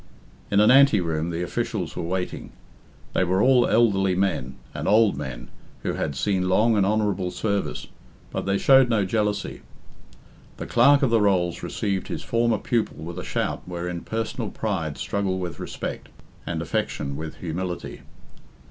In an anteroom the officials were waiting. They were all elderly men and old men, who had seen long and honourable service, but they showed no jealousy. The Clerk of the Rolls received bis former pupil with a shout wherein personal pride struggled with respect, and affection with humility.